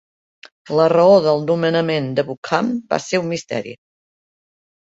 La raó del nomenament de Buchan va ser un misteri.